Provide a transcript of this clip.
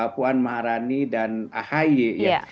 puan maharani dan ahy ya